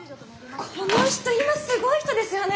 この人今すごい人ですよね？